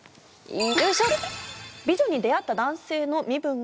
よいしょ！